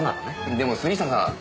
でも杉下さん。